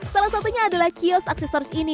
salah satunya adalah kios aksesors ini nih